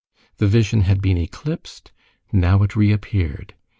The vision had been eclipsed, now it reappeared.